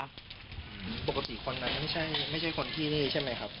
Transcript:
ปกติคนนั้นไม่ใช่คนที่นี่ใช่ไหมครับ